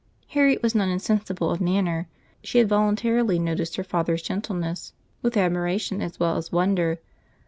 Harriet was not insensible of manner; she had voluntarily noticed her father's gentleness with admiration as well as wonder.